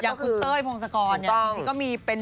อย่างคุณเต้ยพงศกรเนี่ยจริงก็มีเป็น